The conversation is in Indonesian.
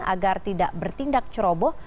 agar tidak bertindak ceroboh